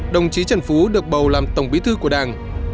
đồng chí trần phú được bầu làm tổng bí thư của đảng